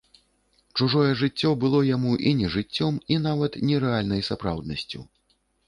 Чужое жыццё было яму і не жыццём, і нават не рэальнай сапраўднасцю.